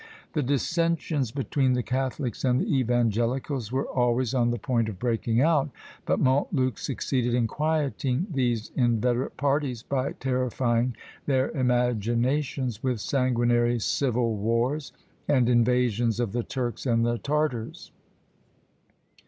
The dissensions between the catholics and the evangelicals were always on the point of breaking out; but Montluc succeeded in quieting these inveterate parties by terrifying their imaginations with sanguinary civil wars, and invasions of the Turks and the Tartars.